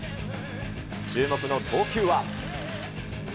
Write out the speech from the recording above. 注目の投球は。